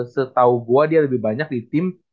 setau gua dia lebih banyak di tim